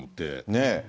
ねえ。